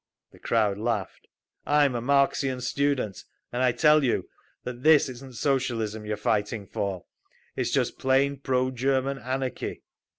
The crowd laughed. "I'm a Marxian student. And I tell you that this isn't Socialism you are fighting for. It's just plain pro German anarchy!"